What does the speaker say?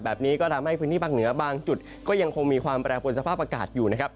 แบบนี้ก็ทำให้พื้นที่ภาคเหนือบางจุดก็ยังคงมีความแปรปนสภาพอากาศอยู่นะครับ